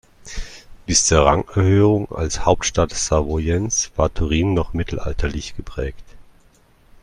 Bis zur Rangerhöhung als Hauptstadt Savoyens war Turin noch mittelalterlich geprägt.